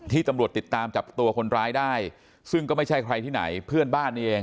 ตำรวจติดตามจับตัวคนร้ายได้ซึ่งก็ไม่ใช่ใครที่ไหนเพื่อนบ้านเอง